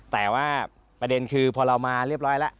แต่ว่าประเด็นคือพอเรามาเรียบร้อยแล้ว